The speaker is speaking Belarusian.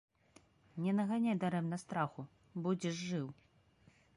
Не наганяй дарэмна страху, будзеш жыў.